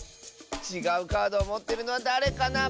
ちがうカードをもってるのはだれかな？